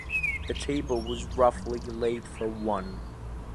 The table was roughly laid for one.